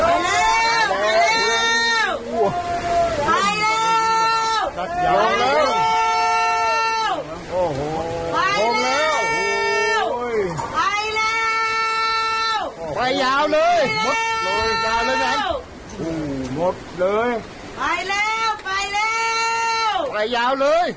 โอ้โหไปแล้วไปแล้วไปยาวเลยไปแล้วไปแล้วไปยาวเลย